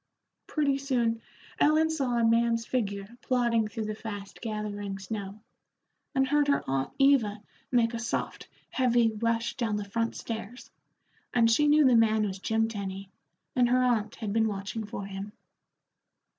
Pretty soon Ellen saw a man's figure plodding through the fast gathering snow, and heard her aunt Eva make a soft, heavy rush down the front stairs, and she knew the man was Jim Tenny, and her aunt had been watching for him.